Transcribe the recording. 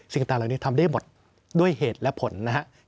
สิ่งต่างเหล่านี้ทำได้หมดด้วยเหตุและผลนะครับ